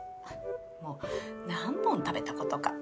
もう何本食べたことか。